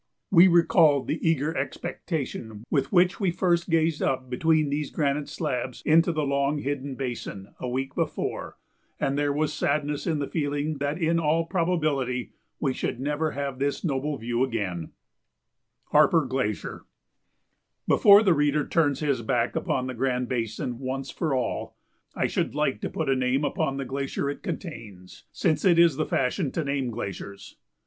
We recalled the eager expectation with which we first gazed up between these granite slabs into the long hidden basin, a week before, and there was sadness in the feeling that in all probability we should never have this noble view again. [Sidenote: Harper Glacier] Before the reader turns his back upon the Grand Basin once for all, I should like to put a name upon the glacier it contains since it is the fashion to name glaciers.